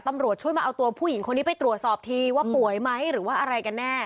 ตำรวจช่วยมาเอาตัวผู้หญิงคนนี้ไปตรวจสอบทีว่าป่วยไหมหรือว่าอะไรกันแน่